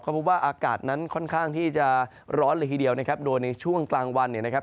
เพราะว่าอากาศนั้นค่อนข้างที่จะร้อนเลยทีเดียวนะครับโดยในช่วงกลางวันเนี่ยนะครับ